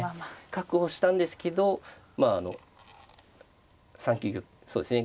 確保したんですけどまああの３九玉そうですね